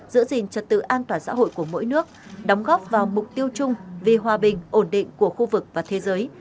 giữ gìn trật tự an toàn xã hội của mỗi nước đóng góp vào mục tiêu chung vì hòa bình ổn định của khu vực và thế giới